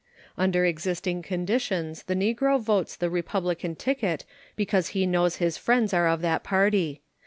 Under existing conditions the negro votes the Republican ticket because he knows his friends are of that party.